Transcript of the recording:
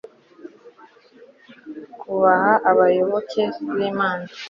akubaha abayoboke b'imana